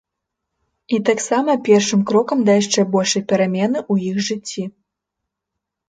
І таксама першым крокам да яшчэ большай перамены ў іх жыцці.